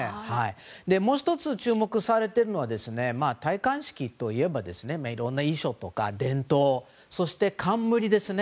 もう１つ、注目されているのは戴冠式といえばいろんな衣装とか伝統そして冠ですね。